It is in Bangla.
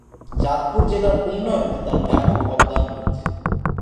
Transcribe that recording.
চাঁদপুর জেলার উন্নয়নে তার ব্যাপক অবদান রয়েছে।